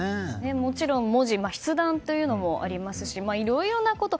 もちろん文字、筆談というのもありますしいろいろなこと。